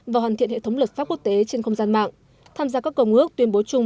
và hoàn thiện hệ thống luật pháp quốc tế trên không gian mạng tham gia các cầu ngước tuyên bố chung